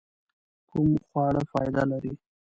کوم خواړه فائده لري؟